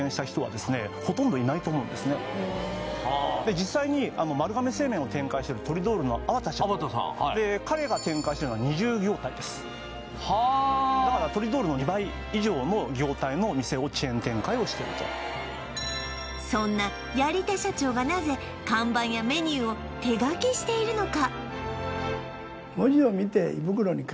実際に丸亀製麺を展開してるトリドールの粟田社長彼が展開してるのは２０業態ですはあだからトリドールの２倍以上の業態の店をチェーン展開をしてるとそんなやり手社長がしているのか？